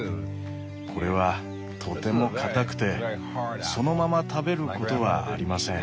これはとてもかたくてそのまま食べることはありません。